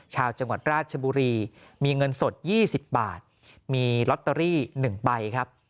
ชาวจังหวัดราชบุรีมีเงินสด๒๐บาทมีลอตเตอรี่๑ใบครับ